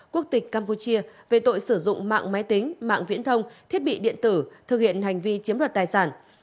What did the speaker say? quốc tịch campuchia về tội sử dụng mạng máy tính mạng viễn thông thiết bị điện tử thực hiện hành vi chiếm đoạt tài sản